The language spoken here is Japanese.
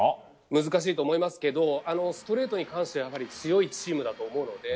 難しいと思いますけどストレートに関しては強いチームだと思うので。